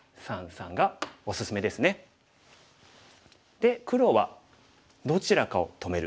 で黒はどちらかを止める。